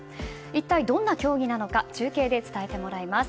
一体どんな競技なのか中継で伝えてもらいます。